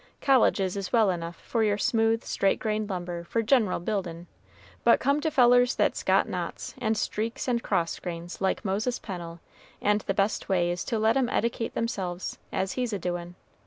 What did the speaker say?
"Colleges is well enough for your smooth, straight grained lumber, for gen'ral buildin'; but come to fellers that's got knots, and streaks, and cross grains, like Moses Pennel, and the best way is to let 'em eddicate 'emselves, as he's a doin'.